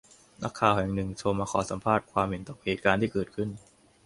นักข่าวแห่งหนึ่งโทรมาขอสัมภาษณ์ความเห็นต่อเหตุการณ์ที่เกิดขึ้น